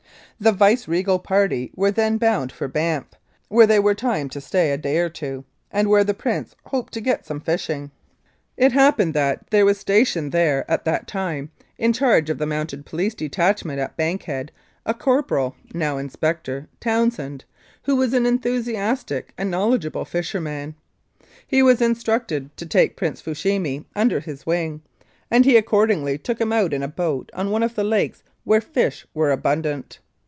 The viceregal party were then bound for Banff, where they were timed to stay a day or two, and where the Prince hoped to get some fishing. It happened that HI Mounted Police Life in Canada there was stationed there at that time, in charge of the Mounted Police detachment at Bankhead, a Corporal (now Inspector) Townsend, who was an enthusiastic and knowledgeable fisherman. He was instructed to take Prince Fushimi under his wing, and he accordingly took him out in a boat on one of the lakes where fish were abundant.